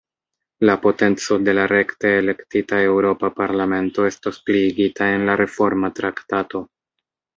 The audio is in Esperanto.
La potenco de la rekte elektita Eŭropa Parlamento estos pliigita en la Reforma Traktato.